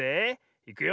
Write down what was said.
いくよ。